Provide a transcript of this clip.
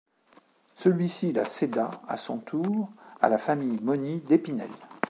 Celui-ci la céda à son tour à la famille Mogny d'Épinel.